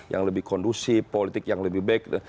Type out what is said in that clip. yang lebih kondusif politik yang lebih baik